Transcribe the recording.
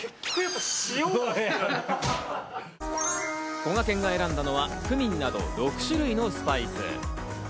こがけんが選んだのは、クミンなど６種類のスパイス。